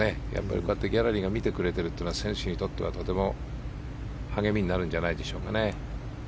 こうしてギャラリーが見てくれているということは選手にとっては、とても励みになるんじゃないでしょうかね。